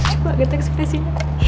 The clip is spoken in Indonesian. coba getek spesinya